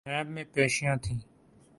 NAB میں پیشیاں تھیں۔